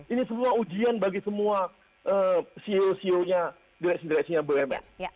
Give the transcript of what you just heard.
ini semua ujian bagi semua ceo ceo nya direksi direksinya bumn